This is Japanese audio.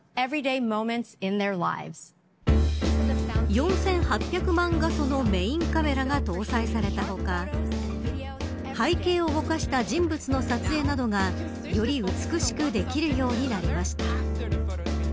４８００万画素のメーンカメラが搭載された他背景をぼかした人物の撮影などがより美しくできるようになりました。